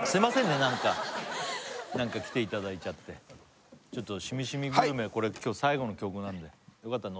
何か何か来ていただいちゃってちょっと染み染みグルメこれ今日最後の曲なんでよかったらノ